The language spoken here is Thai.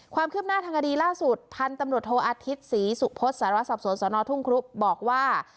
ความคืบหน้าทางคดีล่าสุดพันธุ์ตำรวจโทอาทิตย์ศรีสุพศสารวสอบสวนสนทุ่งครุบอกว่า